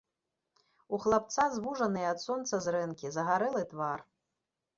У хлапца звужаныя ад сонца зрэнкі, загарэлы твар.